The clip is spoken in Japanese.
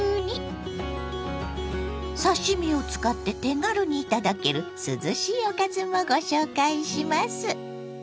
刺身を使って手軽に頂ける涼しいおかずもご紹介します。